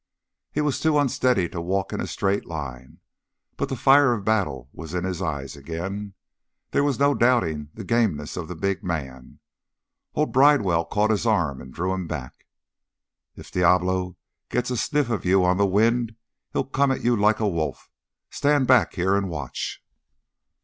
He was too unsteady to walk in a straight line, but the fire of battle was in his eyes again. There was no doubting the gameness of the big man. Old Bridewell caught his arm and drew him back. "If Diablo gets a sniff of you on the wind he'll come at you like a wolf. Stand back here and watch!"